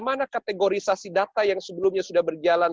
mana kategorisasi data yang sebelumnya sudah berjalan